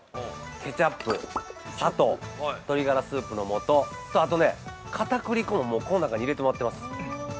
ケチャップ、砂糖、鶏ガラスープの素とあとね、かたくり粉もこの中に入れてもらっています。